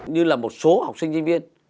như là một số học sinh sinh viên